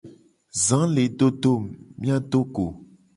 Za le do do mu, mia va do go.